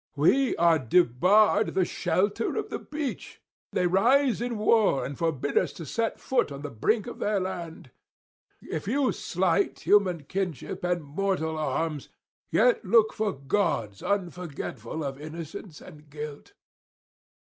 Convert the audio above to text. We are debarred the shelter of the beach; they rise in war, and forbid us to set foot on the brink of their land. If you slight human kinship and mortal arms, yet look for gods unforgetful of innocence and guilt.